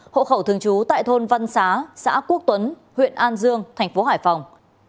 hộ khẩu thường trú tại thôn văn xá xã quốc tuấn huyện an dương thành phố hải phòng